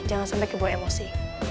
jangan sampe kebawa emosi